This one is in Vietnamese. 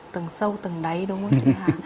tầng sâu tầng đáy đúng không ạ